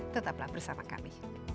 tetaplah bersama kami